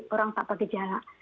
orang tanpa gejala